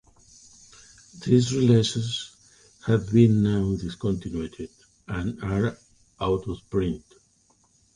These releases have been now discontinued and are out of print.